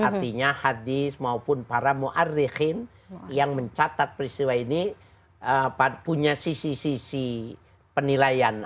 artinya hadis maupun para ⁇ muarrihin yang mencatat peristiwa ini punya sisi sisi penilaian